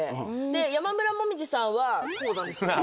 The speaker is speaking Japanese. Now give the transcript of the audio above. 山村紅葉さんはこうなんですよ。